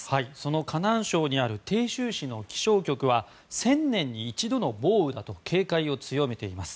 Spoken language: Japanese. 河南省にある鄭州市の気象局は１０００年に一度の暴雨だと警戒を強めています。